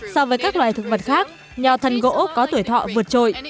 so với các loài thực vật khác nhò thân gỗ có tuổi thọ vượt trội